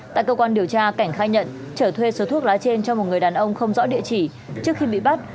tại cơ quan điều tra cảnh khai nhận trở thuê số thuốc lá trên cho một người đàn ông không rõ địa chỉ trước khi bị bắt